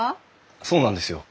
そうなんですよ。